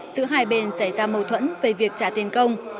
giữa hai bên xảy ra mâu thuẫn về việc trả tiền công